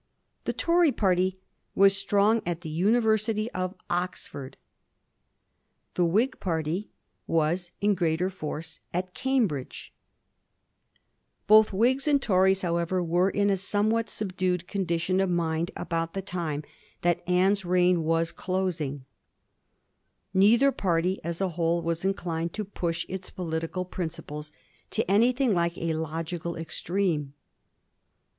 The Tory party was strong at the Univer sity of Oxford ; the Whig party was in greater force at Cambridge. Both Whigs and Tories, however, were Digiti zed by Google 24 A mSTORY OF THE POUR GEOEGES. ch. n. in a somewhat subdued condition of mind about the time that Anne's reign was closing. Neither party as a whole was inclined to push its political prin ciples to anything like a logical extreme.